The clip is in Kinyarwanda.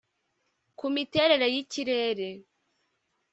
kumiterere y’ikirere